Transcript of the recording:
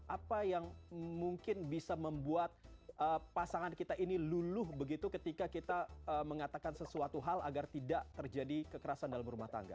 apa yang mungkin bisa membuat pasangan kita ini luluh begitu ketika kita mengatakan sesuatu hal agar tidak terjadi kekerasan dalam rumah tangga